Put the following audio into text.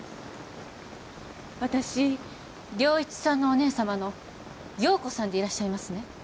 私良一さんのお姉様の陽子さんでいらっしゃいますね？